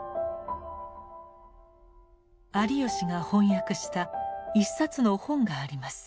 有吉が翻訳した一冊の本があります。